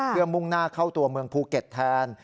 เพื่อมุ่งหน้าเข้าตัวเมืองภูเก็ตแทน